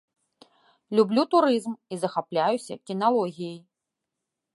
Люблю турызм і захапляюся кіналогіяй.